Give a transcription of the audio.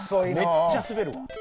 めっちゃ滑るわ。